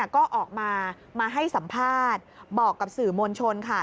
ก็ออกมามาให้สัมภาษณ์บอกกับสื่อมวลชนค่ะ